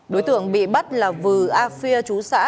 đối tượng bị bắt là vừa a phia chú sơn la